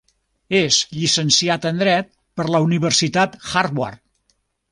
És llicenciat en dret per la Universitat Harvard.